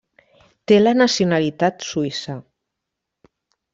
Té la nacionalitat suïssa.